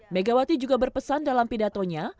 megawati juga berpesan dalam pidatonya